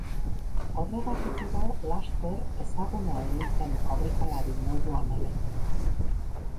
Horregatik-edo laster ezaguna egin zen korrikalari moduan ere.